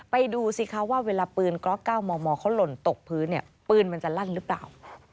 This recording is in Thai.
ดูสิคะว่าเวลาปืนก๊อก๙มมเขาหล่นตกพื้นเนี่ยปืนมันจะลั่นหรือเปล่า